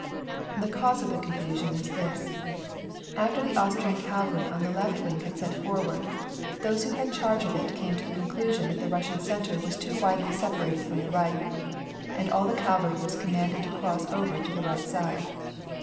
The cause of the confusion was this :— after the Austrian cavalry on the left wing had set forward, those who had charge of it came to the conclusion that the Russian centre was too widely separated from the right, and all the cavalry was com manded to cross over to the right side.